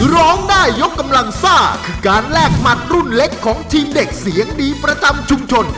ร้องได้ยกกำลังซ่าคือการแลกหมัดรุ่นเล็กของทีมเด็กเสียงดีประจำชุมชน